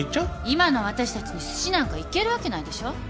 今の私たちにすしなんか行けるわけないでしょ。